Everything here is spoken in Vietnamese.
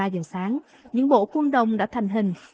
ba giờ sáng những bộ khuôn đồng đã thành hình